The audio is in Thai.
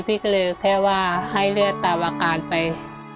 พี่ก็เลยแค่ว่าให้เลือดตามอาการไป